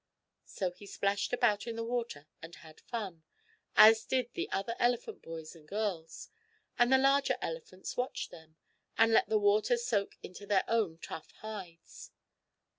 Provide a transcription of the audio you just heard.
So he splashed about in the water and had fun, as did the other elephant boys and girls, and the larger elephants watched them, and let the water soak into their own tough hides.